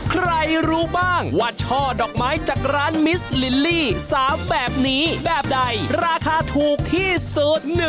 รู้บ้างว่าช่อดอกไม้จากร้านมิสลิลลี่๓แบบนี้แบบใดราคาถูกที่สุด